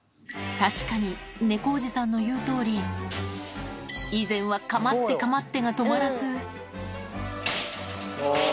確かに、猫おじさんの言うとおり、以前はかまってかまってが止まらず。